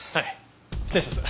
失礼します。